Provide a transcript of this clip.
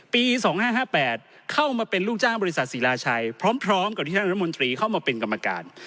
ปี๒๕๕๘เข้ามาเป็นลูกจ้างบริษัทศิลาชัยพร้อมกับที่ท่านรัฐมนตรีเข้ามาเป็นกรรมการ